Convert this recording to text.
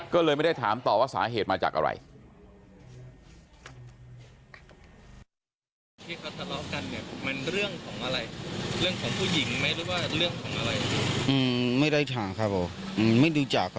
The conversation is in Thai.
ก็เลยไม่ได้ถามต่อว่าสาเหตุมาจากอะไร